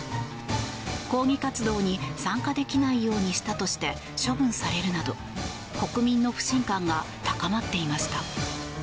抗議活動に参加できないようにしたとして処分されるなど、国民の不信感が高まっていました。